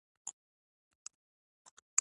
عشایري قبیله په دې پوهېده چې دلته یو ښار پټ دی.